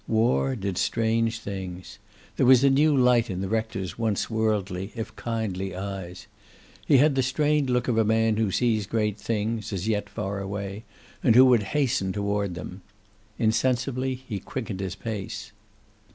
War did strange things. There was a new light in the rector's once worldly if kindly eyes. He had the strained look of a man who sees great things, as yet far away, and who would hasten toward them. Insensibly he quickened his pace.